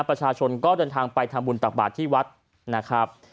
ประชาชนก็เดินทางไปทำบุญตักบาทที่วัดนะครับ